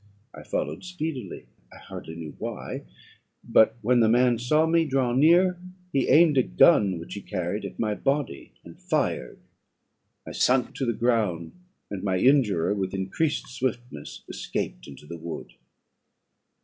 I followed speedily, I hardly knew why; but when the man saw me draw near, he aimed a gun, which he carried, at my body, and fired. I sunk to the ground, and my injurer, with increased swiftness, escaped into the wood.